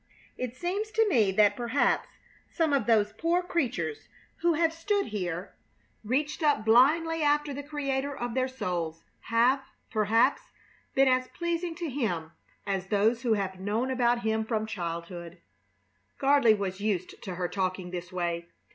It seems to me that perhaps some of those poor creatures who have stood here and reached up blindly after the Creator of their souls have, perhaps, been as pleasing to Him as those who have known about Him from childhood." Gardley was used to her talking this way.